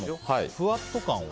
ふわっと感を？